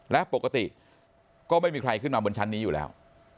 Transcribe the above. และปกติก็ไม่มีใครขึ้นมาบนชั้นนี้อยู่แล้ว